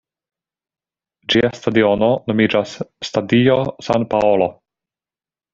Ĝia stadiono nomiĝas "Stadio San Paolo".